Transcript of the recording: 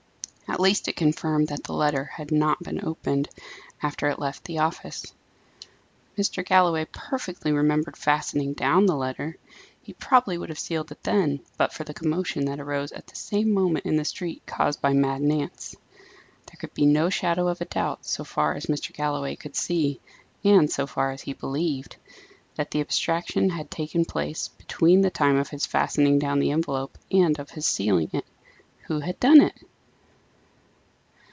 At least, it confirmed that the letter had not been opened after it left the office. Mr. Galloway perfectly remembered fastening down the letter. He probably would have sealed it then, but for the commotion that arose at the same moment in the street caused by Mad Nance. There could be no shadow of doubt, so far as Mr. Galloway could see, and so far as he believed, that the abstraction had taken place between the time of his fastening down the envelope and of his sealing it. Who had done it?